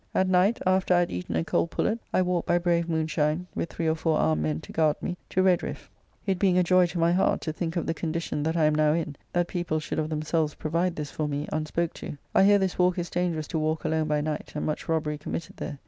At night, after I had eaten a cold pullet, I walked by brave moonshine, with three or four armed men to guard me, to Redriffe, it being a joy to my heart to think of the condition that I am now in, that people should of themselves provide this for me, unspoke to. I hear this walk is dangerous to walk alone by night, and much robbery committed here.